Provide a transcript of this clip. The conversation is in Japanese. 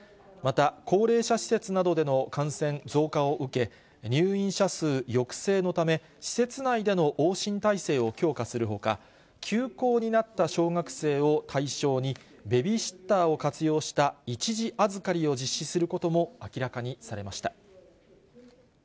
また、高齢者施設などでの感染増加を受け、入院者数抑制のため、施設内での往診体制を強化するほか、休校になった小学生を対象に、ベビーシッターを活用した一時預かりを実施することも明らかにされました。